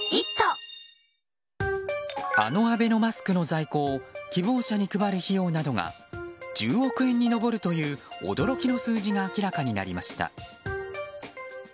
あのアベノマスクの在庫を希望者に配る費用などが１０億円に上るという驚きの数字が明らかになりました。